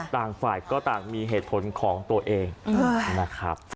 ต่างฝ่ายก็ต่างมีเหตุผลของตัวเองนะครับ